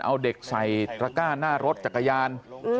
เอาเด็กใส่ตระก้าหน้ารถจักรยาน